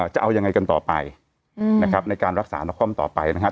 จะเอายังไงกันต่อไปนะครับในการรักษานครต่อไปนะครับ